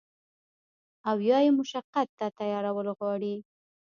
او يا ئې مشقت ته تيارول غواړي